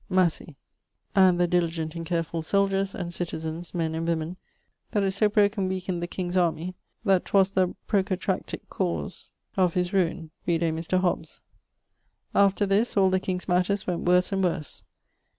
Massey, and the diligent and careful soldiers, and citizens (men and woemen), that it so broke and weakned the king's army, that 'twas the procatractique cause of his ruine: vide Mr. Hobbes. After this, all the King's matters went worse and worse.